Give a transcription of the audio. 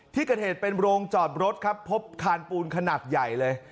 ที่เกิดเหตุเป็นโรงจอดรถครับพบคานปูนขนาดใหญ่เลย